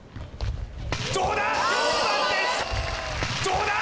どうだ！？